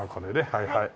はいはい。